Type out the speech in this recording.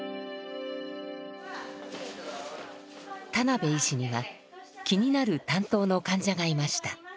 田邉医師には気になる担当の患者がいました。